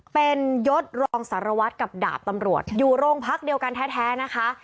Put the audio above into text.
เป็นยศรองสารวัตรกับดาบตำรวจอยู่โรงพักเดียวกันแท้นะคะ